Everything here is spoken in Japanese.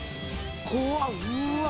怖っうわっ。